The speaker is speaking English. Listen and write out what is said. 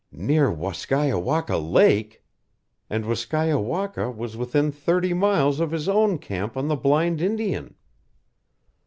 NEAR WASKIAOWAKA LAKE! And Waskiaowaka was within thirty miles of his own camp on the Blind Indian!